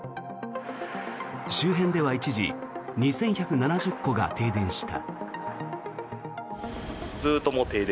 周辺では一時２１７０戸が停電した。